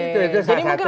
itu itu satu satunya